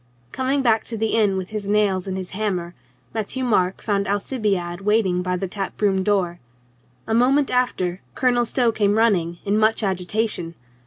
Coming back to the inn with his nails and his hammer, Matthieu Marc found Alcibiade waiting by the tap room door. A moment after Colonel .Stow came running, in much agitation.